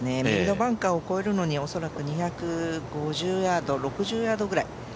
右のバンカーを越えるのに恐らく２５０２６０ヤードぐらい。